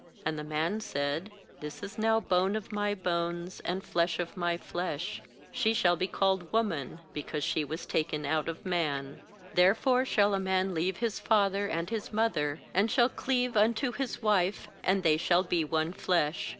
^And the man said: 'This is now bone of my bones, and flesh of my flesh; she shall be called aWoman, because she was taken out of bMan/ 24Therefore shall a man leave his father and his mother, and shall cleave unto his wife, and they shall be one flesh.